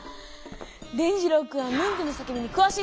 伝じろうくんはムンクの「叫び」にくわしいんでしょ？